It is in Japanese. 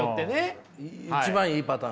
一番いいパターンですね。